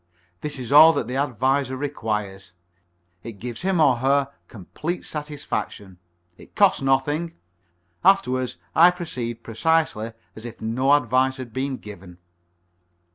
This is all that the adviser requires. It gives him, or her, complete satisfaction. It costs nothing. Afterwards, I proceed precisely as if no advice had been given."